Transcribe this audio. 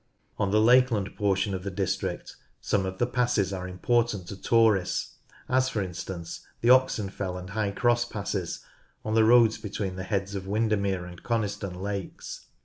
In the lakeland portion of the district some of the passes are important to tourists, as, for instance, the Oxenfell and High Cross Passes, on the roads between the heads of Windermere and Coniston Lakes.